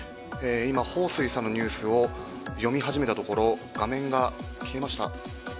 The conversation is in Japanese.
今、彭師さんのニュースを読み始めたところ、画面が消えました。